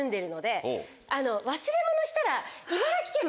忘れ物したら。